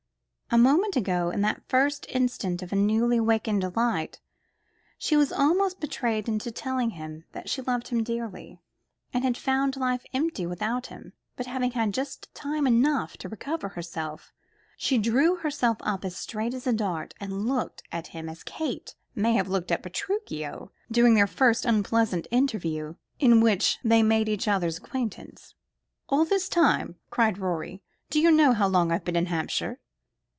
A moment ago, in that first instant of a newly awakened delight, she was almost betrayed into telling him that she loved him dearly, and had found life empty without him. But having had just time enough to recover herself, she drew herself up as straight as a dart, and looked at him as Kate may have looked at Petruchio during their first unpleasant interview in which they made each other's acquaintance. "All this time!" cried Rorie. "Do you know how long I have been in Hampshire?"